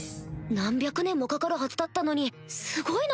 何百年もかかるはずだったのにすごいな！